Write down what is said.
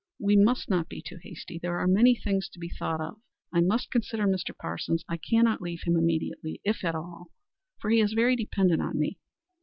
We must not be too hasty. There are many things to be thought of. I must consider Mr. Parsons. I cannot leave him immediately, if at all, for he is very dependent on me."